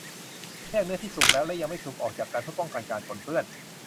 แยกเนื้อที่สุกแล้วและยังไม่สุกออกจากกันเพื่อป้องกันการปนเปื้อน